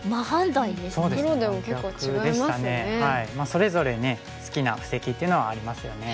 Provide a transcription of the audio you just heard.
それぞれね好きな布石っていうのはありますよね。